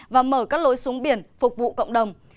và mở các lối xuống biển phục vụ cộng đồng